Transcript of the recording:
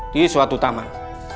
di suatu taman